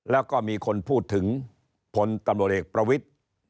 แล้วก็มีคนพูดถึงผลตำรวจเอกประวิทธิ์